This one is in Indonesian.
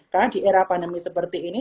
karena di era pandemi seperti ini